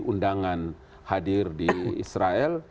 undangan hadir di israel